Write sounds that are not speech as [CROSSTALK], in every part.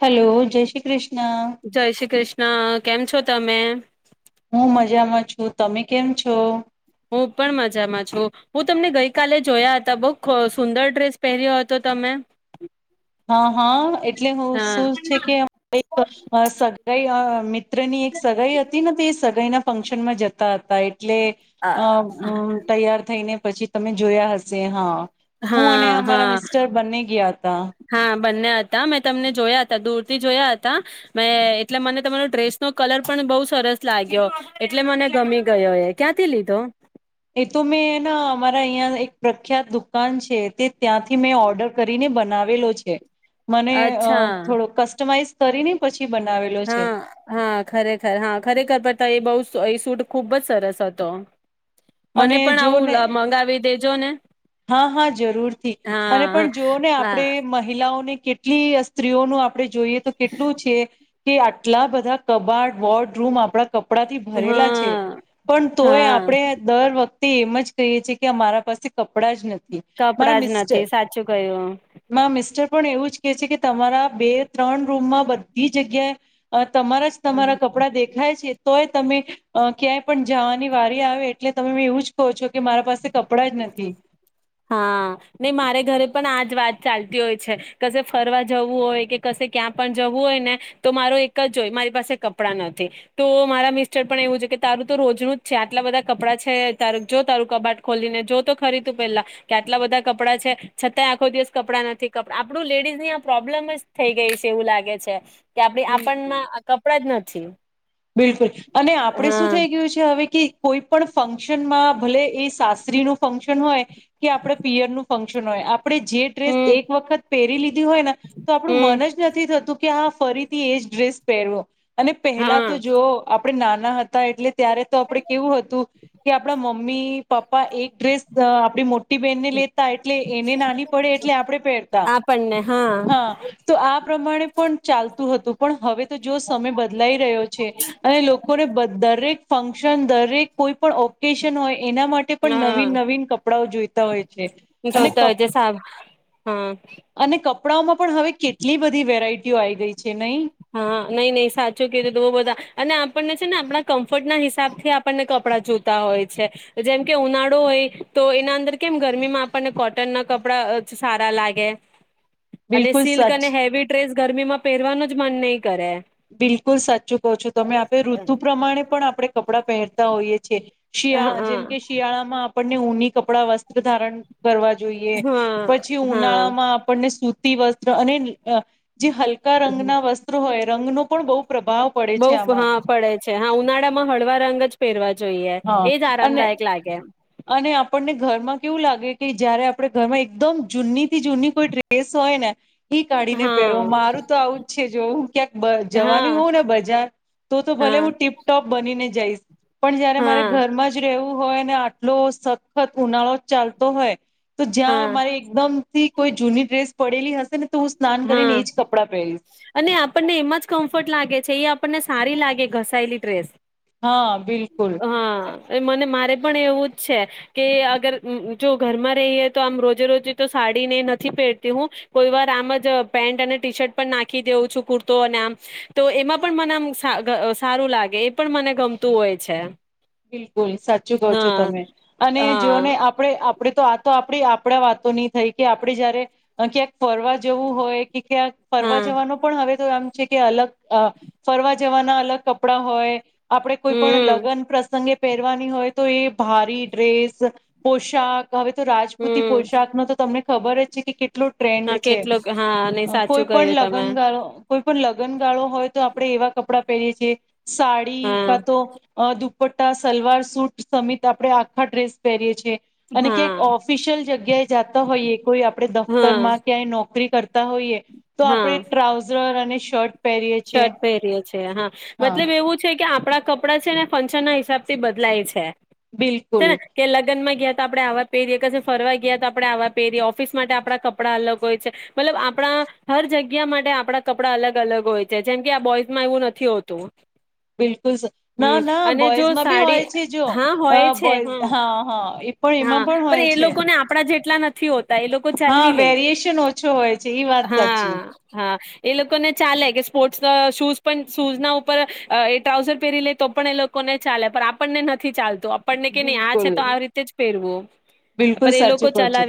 Hello જય શ્રી ક્રિષ્ જય શ્રી કૃષ્ણ. કેમ છો તમે? હું મજામાં છું. તમે કેમ છો? હું પણ મજામાં છું હું તમને ગઈ કાલે જોયા હતા બો ખ સુંદર ડ્રેસ પહેર્યો હતો તમે. હા હા એટલે હું હા શું છે કે એક સગાઈ મિત્રની એક સગાઈ હતી ને તે સગાઈના ફંક્શન માં જતા હતા એ ટલે અ તૈયાર થઈને. પછી તમે જોયા હશે હા. હું અને હા અમારા હા મિસ્ટર બને ગયા હતા. હા બંને હતા મેં તમને જોયા હતા દૂર થી જોયા હતા મેં, એટલે મને તમારો ડ્રેસ નો કલર પણ બઉ સરસ લાગ્યો એટલે મને ગમી ગયો એ, ક્યાંથી લીધો? એ તો મેં એના અમારા અહીયા એક પ્રખ્યાત દુકાન છે તે ત્યાંથી મેં ઓર્ડર કરીને બનાવેલો છે. મને અહ અચ્છા થોડો કસ્ટમાઈઝ કરી ને પછી બનાવેલો છે હા, હા ખરેખર હા ખરેખર પણ એ તો બહું [UNINTELLIGIBLE] સૂટ ખૂબ જ સરસ હતો. મને અને પણ જો આવું ને લ મંગાવી દેજો ને. હા, હા જરૂરથી, અને હા પણ જોઓ ને હા આપણે મહિલાઓને કેટલી સ્ત્રીઓનું આ આપડે જોઈએ તો કેટલું છે કે આટલા બધા કબાડ, વોર્ડ રૂમ આપડા કપ કપડાથી ભરેલા છે હા પણ તોય હા આપણે દર વખ તે એમ જ કહીએ છે કે અમારા પાસે કપડાં જ નથી. મારા કપડા જ નથી સાચું કયું. મિસ્ટર-મારા મિસ્ટર પણ એવું જ કે છે કે તમારા બે ત્રણ રૂમમાં બધી જગ્યાએ અહ તમારા જ તમારા કપડાં દેખાય છે. તોય તમે, ક્યાંય પણ જવાની વારી આવે એટલે તમે એવું જ કહો છો કે મારા પાસે કપડા જ નથી. હા, ને મારે ઘરે પણ આજ વાત ચાલતી હોય છે, કસે ફરવા જવું હોય કે ક ક્યાં પણ જવું હોય ને, તો મારો એક જ હોય મારી પાસે કપડાં નથી તો મારા મિસ્ટર પણ એવું છે કે તારું તો રોજનું જ છે આટલા બધા કપડાં છે તું જો તારું કબાટ ખોલીને જો તો ખરી તું પેલા. કે આટલા બધા કપડાં છે, છતાંય આખો દિવસ કપડાં નથી કપડા આપડું લેડીઝ ની આ પ્રોબ્લેમ જ થઈ ગઈ છે એવું લાગે છે. કે આપણે બિલકુલ આપણના કપડા જ નથી. થી. બિલકુલ, અને આપડે શું થઈ ગયું છે હવે કે કોઈ પણ ફંક્શનમાં ભલે એ સાસરી નું ફંક્શન હોય. કે આપણે પીયરનું. ફાક્શન હોય આપ આપણે જે ડ્રેસ હમ એક વખત પેરી લી હોયને, તો આપણું હમ મન જ નથી થતું કે હ ફરીથી એ જ ડ્રેસ પહેરુ, અને હા. તો જો આપ આપણે નાના હતા એટલે ત્યારે તો આપડે કેવું હતું કે આપડા મમ મમ્મી પપ્પા એક ડ્રેસ આપડી મો મોટી બેહેનને લેતા એટલે એને નાની પડે એટલે આપણેે પહેરતા, હા તો આ પ્રમાણે પણ ચાલતું હતું પણ હવે તો જો સમય બદલાઈ રહ્યો છે, અને લોકોને બ દરેક ફંક્શન, દરેક કોઈ પણ ઓકેશન હોય એના માટે પણ હા નવીન-નવીન કપડાઓ જોઈતા હોય છે. અને જોતા હોય છે સાબ હા કપ-અને કપ કપડાઓમાં પણ હવે કેટલી બધી વેરાયટીઓ આવી ગઈ છે નહી? હા, નહીં, નહી સાચું કીધું તું [UNINTELLIGIBLE] બધા અને આપણને છે ને આપણા કમ્ફર્ટના હિસાબથી આપણને કપડાં જોતા હોય છે. જેમ કે ઉનાળો હોય તો એના અંદર કેમ ગરમીમાં આપણને કોટન ના કપડા સારા લાગે. અને બિલકુલ સિલ્ક અને સચ હેવી ડ્રેસ ગરમીમાં પહેરવાનો જ મન નહી. કરે બિલકુલ સાચું કહો છો તમે આપણેે ઋતુ પ્રમાણે પણ આપડે કપડાં પહેરતા હોઈએ છે. શિયાળ હા જેમકે શિયાળામાં આપણ ને ઊની કપડાં વસ્ત ધારણ કરવા જોઈએ. પછી હા હા ઉનાળા માં આપણને સૂતી વસ અને [UNINTELLIGIBLE] જે હલકા રંગના વસ્ત્રો હોય રંગનો પણ બહુ પ્રભાવ પડે બહુ છે ફ આમાં હા, પડે છે. હા ઉનાળામાં હળવા રંગ જ પેરવા જોઈએ. હા એજ અને આરામદાયક લાગે. અને આપણને ઘરમાં કેવું લાગે, કે જયારે આપળા ઘરમાં એકદમ જૂનીથી જૂની કોઈ ડ્રેસ હોય ને એ કાઢીને હા પહેરૂ. મારું તો આવું જ છે. જો હું ક્યાંક બ હા જવાની હોઉં ને બજાર, તો તો ભલે હા હું ટીપ-ટોપ બનીને જઈશ પણ જયારે મારે હા ઘરમાં જ રહેવું હોય ને આ ટલો સખત ઉનાળો ચાલતો હોય તો જ્યાં હા મારે એકદમ થી કોઈ જૂની ડ્રેસ પડેલી હશે ને તો હું સ્નાન કરીને હા, એજ કપડાં પહેરીશ અને આપણને એમાં જ કમ્ફર્ટ લાગે છે. એ આપ આપણને સારી લાગે ઘસાયેલી ડ્રેસ. હા બિલકુલ. અરે મને મારે પણ એવું જ છે. કે અગર અમ્મ અમ્મ જો ઘરમાં રહીએ તો આમ રોજે રોજે તો સાડીને નથી પહેરતી હું કોઈ વાર આમ જ જ પેન્ટ અને ટી શર્ટ પણ નાખી દેવું છું કુર્તો અને આમ. તો એમાં પણ મને આમ સાગ સારું લાગે એ પણ મને ગમતું હોય છે. બિલકુલ સાચું કહો છો. હા તમે અને હા જોને આપડે આપ પેડ તો આ તો આપડી આપડા વાતોની થઈ કે આપડે જયારે અહ ક્યાંક ફરવા જવું હોય કે ક્યાંક ફરવા હા જવાનું પણ હવે તો એમ છે કે અલગ અહ ફરવા જવાના અલગ કપડા હોય આપડે કોઈ પણ હમ લગન પ્રસ સંગે પહેરવાની હોય તો એ ભારી ડ્રેસ પોશાક તો હવે તો રાજપૂતિ હમ પોશાક નો તો તમને ખબર જે છે કે કેટ લો ટ્રેન્ડ હા છે. કેટલોક હા નહી અહ કોઈ સાચું પણ કહ્યું તમે લગનગાળો કોઈ પણ લગ્નગાળો હોય તો આપડે એવા કપડાં પહેરીએ છીએ. સાડી હા કા તો અ દુ દુપટા સલવાર સુૂટ સમિત આપણે આખા ડ્રેસ પહેરીએ છીએ. અને હા ક્યાંક ઓફિશિયલ જગ્યાએ જાતા હોઈએ કોઈ, આપણે હા દફતરમાં ક્યાંય નોકરી કરતા હોઈએ, તો હા આપણે ટ્રાઉઝર અને શર્ટ પહેરીએ છીએ શર્ટ પહેરીએ છીએ, હા મતલબ એવું છે. કે આપ આપણા કપડાં છે ને ફંક્શન ના હિસાબ થી બદલાય છે. બિલકુલ [INAUDIBLE] કે લગનમાં ગયા તો આપણે આવા પહેરીએ, ફરવા ગયા તો આપણે આવા પહેરીએ, ઓફિસ માટે આપણા કપડાં અલગ હોય છે. મતલબ આપણા હર જગ્યા માટે આપણા કપડા અલગ અલગ હોય છે. જે જેમ કે આ બોઇઝમાં એવું નથી હોતું. બિલકુલ ના હમ ના અને જો બોઈઝમાં ભી સાડી હોય છે, જો હા હોય છે બોઝ હા હા એ પણ હા એમાં પણ હોય એ છે. લોકોને આપણા જેટલા નથી હોત. હા વેરિએશન ઓછો હોય છે, ઇ વાત સાચી હા હા એ લોકો ને ચાલે કે, સ્પોર્ટ્સ શૂઝ પણ શૂઝ ના ઉપર એ ટ્રાઉઝર પહેરી લે તો પણ એ લોકોને ચાલે પણ આપણને નથી ચાલતા. તો આપણને કે નહી આ છે, બિલકુલ તો આ રીતે જ ફેરવો બિલકુલ સાચું કહુ છુ,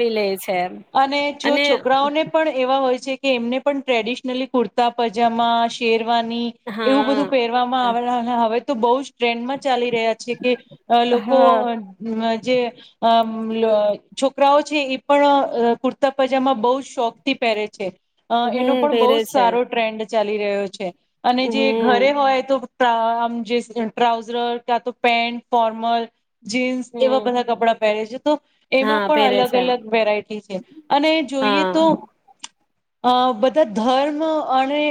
અને જો છોકરાઓને પણ એવા હોય. જેકે એમને પણ ટ્રેડિશનલી કુર્તા, પજામા, શેર રવાની, એવું બધું હા પહેરવામાં આવે હવે તો બહુ જ ટ્રેન્ડમાં ચાલી રહ્યા છે કે, લોકો હા જે અ છોકરાઓ છે એ પણ કુર્તા, પજામા બહુ શોખ થી પહેરે છે. અ એનો હમ પણ બહુ પહેરે જ છે સારો ટ્રેન્ડ છે. ચાલી રહ્યો છે. અને જે હમ ઘરે હોય તો, જે ટ્રાઉઝર કા તો પેન્ટ, ફોર્મલ જીન્સ એવા હમ બધા કપડાં પહેરે છે. તો એમાં હા પણ પહેરે અલગ છે અલગ વેરાયટી છે, અને જોઈએ તો હા અ બધા ધર્મ અને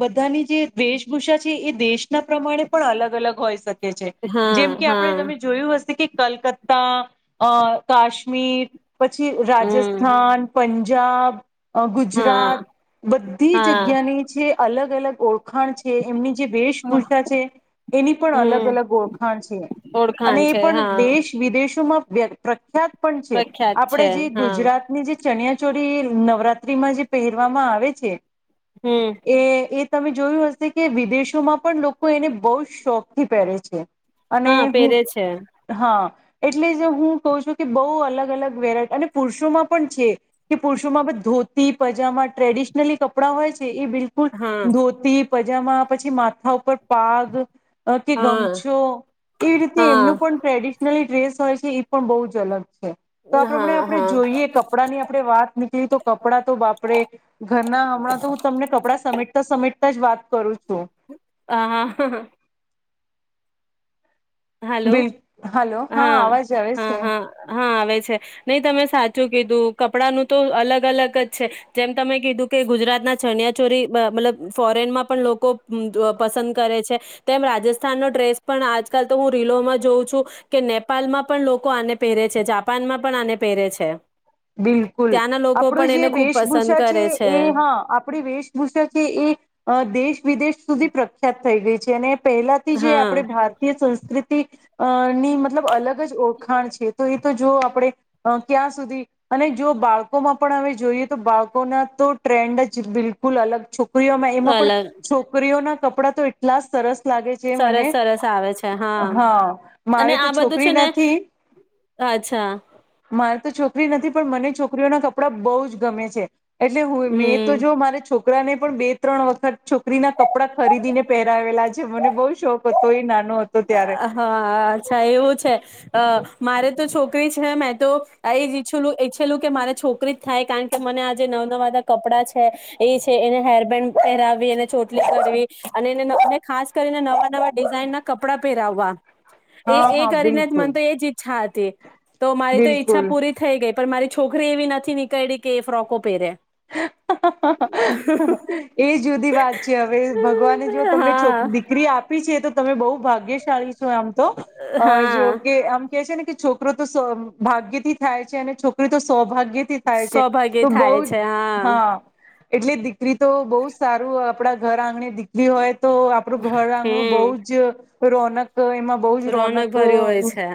બધાની જે વેશભૂષા છે, એ દેશના પ્રમાણે પણ અલગ અલગ હોય શકે. હા જેમ કે આપણે હા તમે જોયું હશે કે કલકત્તા, અ કાશ્મીર, પછી હમ રાજસ્થાન, પંન જાબ અ હા ગુજરાત બધી હા જગ્યાની છે અલગ એલે કો. ઓળખાણ છે. એમની જે વેશભૂષા છે એની પણ અલગ હમ અલગ ઓળખાણ છે. અને ઓળખાણ એ છે પણ હા દેશ વિદેશોમાં બે. યાત પણ છે. પ્રખ્યાત છે આપણેે જે હા ગુજરાતની જે ચણિયા ચોરી નવરાત્રીમાં જે પહેરવામાં આવે છે હમ એ એ તમે જોયું હશે કે વિદેશોમાં પણ લોકો એને બહુ શોખથી પહેરે છે. અને હા હું પહેરે છે હા. એટલે જ હું કઉ છું કે બહુ અલગ-અલગ વેરાયટી અને પુરુષોમાં પણ છે કે પુરુષોમાં ધોતી પજામા ટ્રેડિશનલી કપડાં હોય છે એ બિલકુલ હા ધોતી પજામા પછી માથા ઉપર પાગ કે હા ગમછો એવી રીતે એમનું હા પણ ટ્રેડિશનલી ડ્રેસ હોય એ પણ બહુ જ અલગ તો આ પ્રમાણે હા આપણે જોઈએ કપડા ની આપણે વાત નીકળી તો કપડાં તો બાપરે ઘરના હમણાં તો હુ તમને કપડા સમેટતા સમેટ જ વાત કરું છું. હા. હા. હ બિલ. હલો હા અવાજ આવે હા છે. હા હા આવે છે નહી તમે સાચું કીધું કપડાનું હતો અલગ અલગ જ છે જેમ તમે કીધું કે ગુજરાત ના ચણિયા ચોરી મતલબ ફોરેનમાં પણ લોકો પસંદ કરે છે તેમ રાજસ્થાનનો ડ્રેસ પણ આજ આ કલ તો હું રીલોમાં જોઉં છું કે નેપાલમાં પણ લોકો આને પહેરે છે. જાપાનમાં પણ આને પહેરે છે. બિલકુલ ત્યાંના લોકો આપડો પણ જે એને ખૂબ પસંદ વેશભૂષા છે કરે એ હા આપણી વેશભૂષા છે એ અ દેશ વિદેશ સુઘી પ્રખ્યાત થઈ ગઈ છે. જેને પહેલાથી જે હા આપણે ભારતીય સંસ્કૃતિ કે અ ની મતલબ અલગ જ ઓળખાણ છે. તો એ તો જો આપણે ક્યાં સુધી અને જો બાળકોમાં પણ હવે જોઈએ તો બાળકોના તો ટ્રેન્ડ જ બિલકુલ અલગ છો છોકરીઓમાં એમાં પણ અલગ છોકરીઓના કપડાં તો એટલા સરસ લાગે છે સરસ મને સરસ આવે છે હા અને મારે તો આ બધું છોકરી છે ને નથી અચ્છા મારે તો છો છોકરી નથી પણ મને છોકરીઓના કપડા બહુ જ ગમે છે એટલે હું મેં તો હમ જો મારે છોરી કરાને પણ બે ત્રણ વખત છોકરીના કપડાં ખરીદીને પહેરાવેલા છે મને બહુ શોખ હતો એ ના આહ હા અચ્છા એવું છે અહ મારે તો છોકરી છે, મેં તો આ એજ ઈચ્છુંલું ઈચ્છેલું કે મારે છોકરી જ થાય કારણ કે મને આ જે નવા નવા કપડાં છે એ છે એને હેરબેન્ડ પહેરાવી, એને ચોટલી કરવી અને એને નવ ખાસ કરીને નવા નવા ડિઝાઇન ના કપડા પહેરાવવા. એ હા એ હા કરીને જ મને બિલકુલ તો એ જ ઈચ્છા તે. તો મારી તો ઈચ્છા બિલકુલ પૂરી થઈ ગઈ. પણ મારી છોકરી એવી નથી નીકયળી કે એ ફ્રોકો પહેરે. એ જુદી વાત છે અવે ભગવાને જો તમને છો હા દીકરી આપી છે તો તમે બઉ ભાગ્યશાળી છો આમ તો અ હા જો કે આમ કે છે ને કે છોકરો તો સૌ ભાગ્યથી થાય છે, અને છોકરી તો સૌભા સૌ ભાગે થાય છે, હાં. હાં. એટલે દિ દીકરી તો બઉ સારું આપડા ઘર આંગણે દીકરી હોય તો આપણું ઘર આંગણું બહુ હમ જ રોનક એમાં બહુ જ રોનક ઘર્યું હોય છે,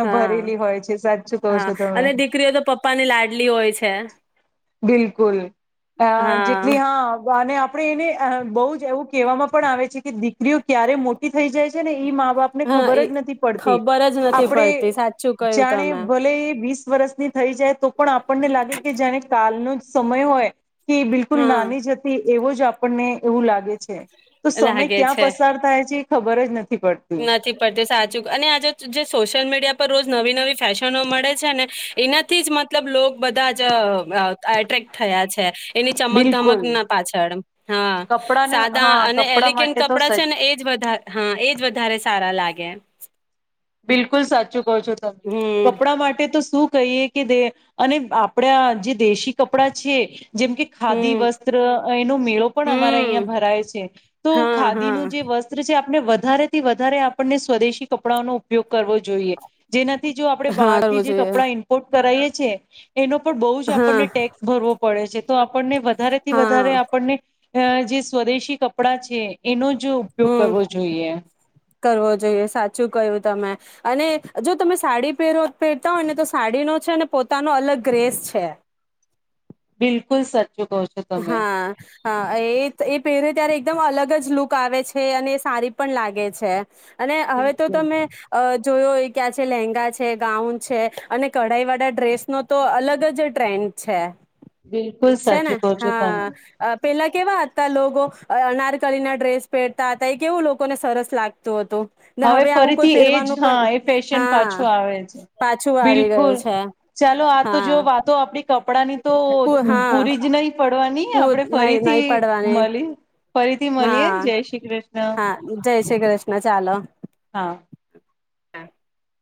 હાં ભરેલી હોય છે સાચું કહો હાં છો અને તમે દીકરીઓ તો પપ્પાની લાડલી હોય છે. હમ્મ, હાં હા જેટલી હાં. અને આપણે એને અ બઉ જ એવું કહેવામાં પણ આવે છે કે દીકરીઓ ક્યારે મોટી થઈ જાય છે ને ઈ મા તો આપને હા ખબર એ જ નથી પડતી ખબર જ નથી આપણે પડતી સાચું કહ્યું જાણે તમે ભલે એ વીસ વરસની થઈ જાય તો પણ આપણને લાગે કે જેને કાલનો જ સમય હોય. કે બિલકુલ હા નાની જ હતી. એવો જ આપણને એવું લાગે છે. તો સમય લાગે ક્યાં છે પસાર થાય છે. ખબર જ ન નથી પડતી સાચું અને આજે જે સોશિયલ મીડિયા પર રોજ નવી-નવી ફેશનો મળે છે ને એનાથી જ મતલબ લોક બધા જ એટ્રેક્ટ થયા છે એની ચમક ધમક બિલકુલ ના પાછળ હા કપડાને સાદા હા અને કપડા એલેગેન્ટ માટે તો કપડાં છે સચ ને એજ વધા હા એજ વધા સારા લાગે. બિલકુલ સાચુ કો છો તમે હમ કપડા માટે તો શું કહીએ કે દે અને આપડે અ જે દેશી કપડાં છે જેમ કે ખાદી હમ વસ્ત્ર એનો મેળો પણ અમારા અહિયાં હમ ભરાય છે. તો હા હા ખાદીનું જે વસ્ત્ર છે વધારે થી વધારે આપણને સ્વદેશી કપડાઓનુ ઉપયોગ કરવો જોઈએ જેના થી જો આપડણે હા બહારથી કરવો જે જોઈએ કપડાં ઇમ્પોર્ટ કરાયે છે. એનો પણ બઉુ જ હા આપણને ટેક્સ ભરવો પડે છે તો આપણને વધારેથી હા વધારે આપણને હ જે સ્વદેશી કપડાં છે એનો જ ઉપયોગ હમ કરવો જોઈએ. કરવો જોઈએ સાચું કયું તમે અને જો તમે સાડી પેરો પહેરતા હોય ને તો સાડીનો છે અને પોતાનો અલગ ગ્રેશ છે. બિલકુલ સત હા હા એ એ પેરે ત્યારે એકદમ અલગ જ લુક આવે છે અને સારી પણ લાગે છે. અને હવે તો બિલકુલ તમે અ જોયૂ ઓય કે છે લેંગા છે, ગાઉન છે. અને કઢાઈ વાળા ડ્રેસ નો તો અલગ જ ટ્રેન્ડ છે. બિલકુલ છે ને સાચી ક હા અ પેલા કેવા હતા લોકો અનારકલી ના ડ્રેસ પહેરતા હતા એ કેવું લોકોને સરસ લાગતું હતું. ને હવે આવું કોઈ ફરીથી એ પહેરવાનું જ પણ હા એ ફેશન હા પાછો આવે છે પાછું આવી બિલકુલ ગયું છે ચાલો આ તો જો હા વાતો આપડી કપડાં ની તો પુ હા પૂરી જ નહી પડવાની પૂર આપણે નહી નહી ફરીથી પડવાની મળી ફરીથી મળીએે હા જય શ્રી કૃષ્ણ. હા જય શ્રી કૃષ્ણ ચાલો. હા. [INAUDIBLE]